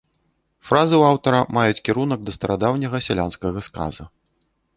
Фразы ў аўтара маюць кірунак да старадаўняга сялянскага сказа.